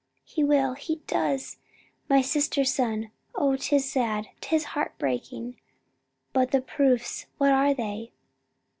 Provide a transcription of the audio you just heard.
"He will! he does! My sister's son! oh tis sad, 'tis heart breaking! But the proofs: what are they?"